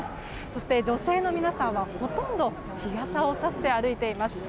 そして、女性の皆さんはほとんど日傘をさして歩いています。